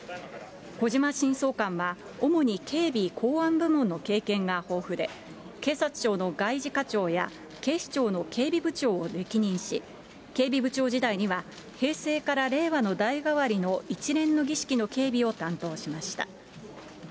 小島新総監は、主に警備・公安部門の経験が豊富で、警察庁の外事課長や警視庁の警備部長を歴任し、警備部長時代には平成から令和の代替わりの一連の儀式の警備を担当しました。